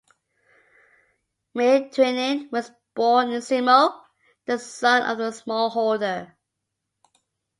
Miettunen was born in Simo, the son of a smallholder.